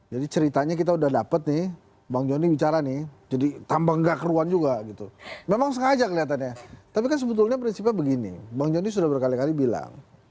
jadi ceritanya kita udah dapet nih bang johnny bicara nih jadi tambang gak keruan juga gitu memang sengaja kelihatannya tapi kan sebetulnya prinsipnya begini bang johnny sudah berkali kali bilang